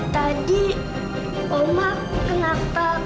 tadi oma kenapa